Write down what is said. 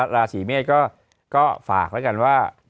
ราศีเมษก็ฝากแล้วกันว่า